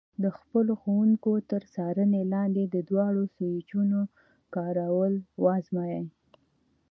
د خپل ښوونکي تر څارنې لاندې د دواړو سویچونو کارول وازمایئ.